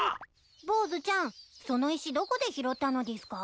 ボーズちゃんその石どこで拾ったのでぃすか？